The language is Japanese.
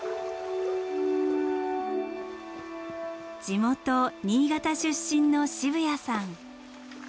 地元新潟出身の渋谷さん。